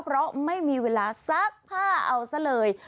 เพราะไม่มีเวลาซักผ้าเอาซะเลย